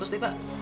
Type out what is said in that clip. tiga ratus deh pak